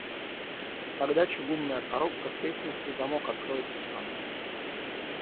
Тогда чугунная коробка треснет и замок откроется сам.